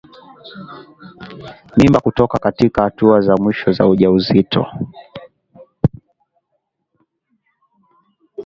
Mimba kutoka katika hatua za mwisho za ujauzito